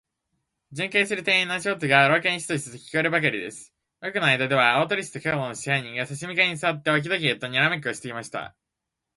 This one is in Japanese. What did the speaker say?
巡回する店員の足音が、廊下にシトシトと聞こえるばかりです。奥の間では、大鳥氏と門野支配人が、さし向かいにすわって、置き時計とにらめっこをしていました。